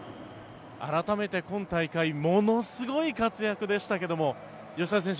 改めて、今大会ものすごい活躍でしたけども吉田選手